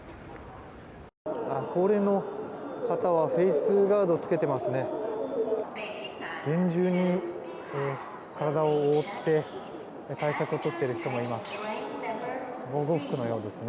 高齢の方はフェースガードを着けていますね。